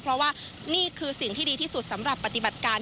เพราะว่านี่คือสิ่งที่ดีที่สุดสำหรับปฏิบัติการ